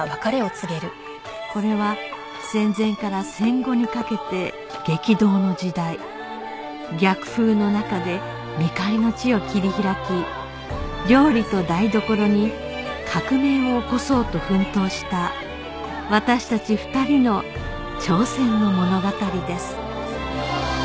これは戦前から戦後にかけて激動の時代逆風の中で未開の地を切り開き料理と台所に革命を起こそうと奮闘した私たち２人の挑戦の物語です